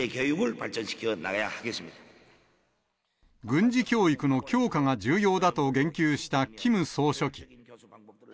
軍事教育の強化が重要だと言及したキム総書記。